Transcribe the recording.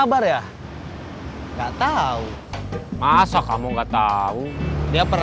lumayan buat jajan